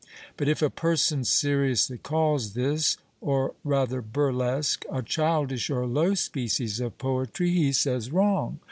But if a person seriously calls this, or rather burlesque, a childish or low species of poetry, he says wrong.